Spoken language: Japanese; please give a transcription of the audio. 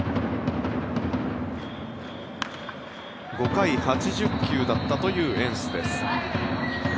５回、８０球だったというエンスです。